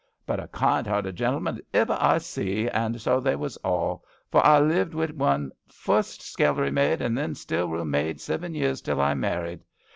But a kind hearted gentleman as iver I see, and so they was all, fur I lived wi' 'un fust scullery maid and then stillroom maid siven years till I married.